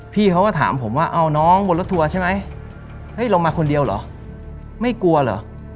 พี่เขาก็ถามผมว่าเอาน้องบนรถทัวร์ใช่ไหมเฮ้ยลงมาคนเดียวเหรอไม่กลัวเหรอ